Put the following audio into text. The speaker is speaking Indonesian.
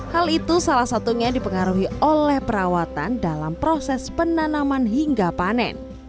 hal itu salah satunya dipengaruhi oleh perawatan dalam proses penanaman hingga panen